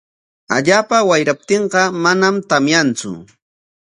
Allaapa wayraptinqa manam tamyantsu.